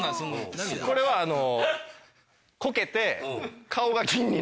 ・これはあの。